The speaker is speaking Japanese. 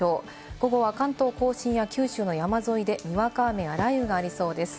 午後は関東甲信や九州の山沿いでにわか雨や雷雨がありそうです。